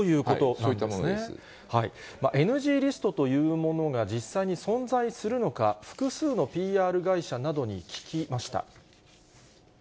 そういったものでＮＧリストというものが実際に存在するのか、複数のＰＲ会社などに聞きました。